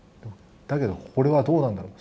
だけど、これはどうなんだろう。